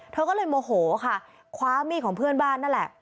เธอก็เลยโมโหค่ะคว้ามีดของเพื่อนบ้านนั่นแหละ